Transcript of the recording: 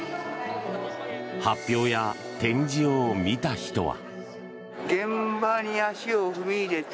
発表や展示を見た人は。